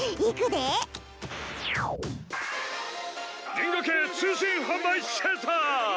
銀河系通信販売センター！